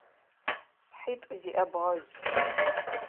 Шъхьитӏу зиӏэ бгъэжъ.